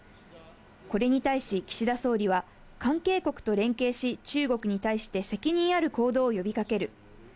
これに対し、岸田総理は関係国と連携し、中国に対して責任ある行動を呼びかける。